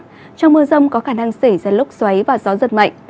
trong mưa rông có khả năng xảy ra lốc xoáy và gió giật mạnh